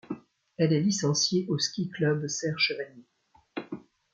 Elle est licenciée au Ski Club Serre Chevalier.